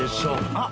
あっ。